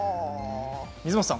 水元さん